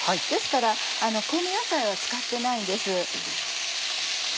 ですから香味野菜は使ってないんです。